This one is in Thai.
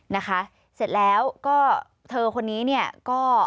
นะคะเสร็จแล้วก็เธอคนนี้เนี่ยก็